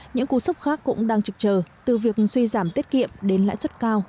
những cú sốc khác cũng đang trực chờ từ việc suy giảm tiết kiệm đến lãi suất cao